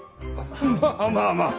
まあまあまあ。